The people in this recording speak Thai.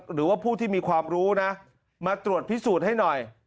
หรือว่าผู้ที่มีความรู้นะมาตรวจพิสูจน์ให้หน่อย